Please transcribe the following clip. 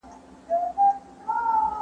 هلک په ډېر سرعت سره گرځي.